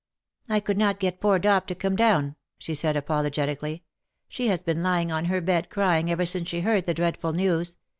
" I could not get poor Dop to come down,^^ she said, apologetically. " She has been lying on her bed crying ever since she heard the dreadful news.